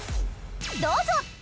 どうぞ！